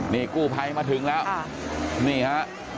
นี่กู้ภัยมาถึงแล้วนี่ฮะ